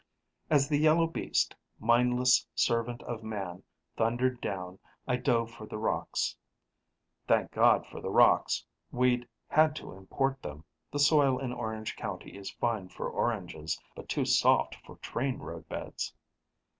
As the yellow beast, mindless servant of man, thundered down, I dove for the rocks. Thank God for the rocks we'd had to import them: the soil in Orange County is fine for oranges, but too soft for train roadbeds.